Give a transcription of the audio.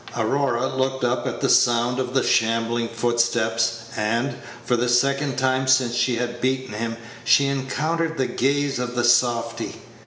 Aurora looked up at the sound of the shambling footsteps, and, for the second time since she had beaten him, she encountered the gaze of the softy.